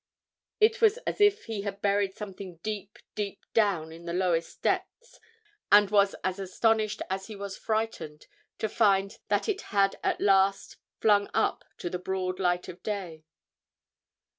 It was as if he had buried something deep, deep down in the lowest depths, and was as astounded as he was frightened to find that it had been at last flung up to the broad light of day.